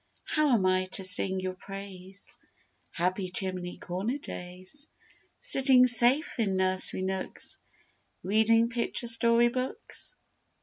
How am I to sing your praise, Happy chimney corner days, Sitting safe in nursery nooks, Reading picture story books?